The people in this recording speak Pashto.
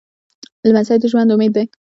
لمسی د ژوند امید دی.